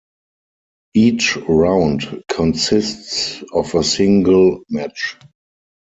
Each round consists of a single match.